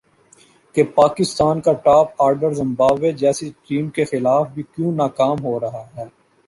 کہ پاکستان کا top order Zimbabwe جیسی ٹیم کے خلاف بھی کیوں ناکام ہو رہا ہے